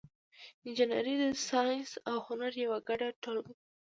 انجنیری د ساینس او هنر یوه ګډه ټولګه ده.